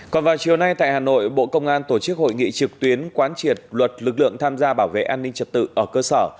còn vào chiều nay tại hà nội bộ công an tổ chức hội nghị trực tuyến quán triệt luật lực lượng tham gia bảo vệ an ninh trật tự ở cơ sở